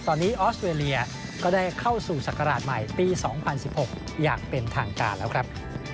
ตอนนี้ออสเวรียก็ได้เข้าสู่ศักราชใหม่ปี๒๐๑๖อย่างเป็นทางการแล้วครับ